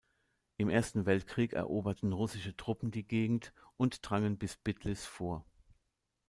Im Ersten Weltkrieg eroberten russische Truppen die Gegend und drangen bis Bitlis vor.